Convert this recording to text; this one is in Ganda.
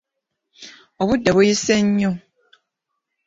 Obudde buyise nnyo.